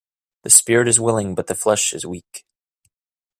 The spirit is willing but the flesh is weak.